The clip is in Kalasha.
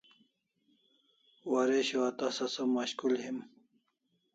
Waresho a tasa som mashkul him